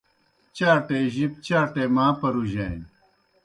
چاٹے جِب چاٹے ماں پرُوجانیْ